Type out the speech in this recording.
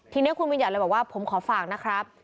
ทีนี้คุณวิญญัติเลยบอกว่าผมขอฝากนะครับ